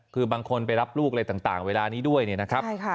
คือบางคนไปรับลูกอะไรต่างเวลานี้ด้วยเนี่ยนะครับ